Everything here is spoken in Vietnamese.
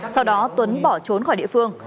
sau đó tuấn bỏ trốn khỏi địa phương